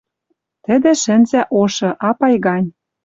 Тӹдӹ шӹнзӓ ошы, апай гань.